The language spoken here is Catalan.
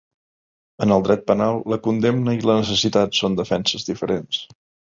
En el dret penal, la condemna i la necessitat són defenses diferents.